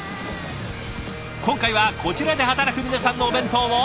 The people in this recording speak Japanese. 今回はこちらで働く皆さんのお弁当を。